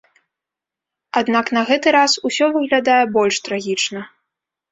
Аднак на гэты раз усё выглядае больш трагічна.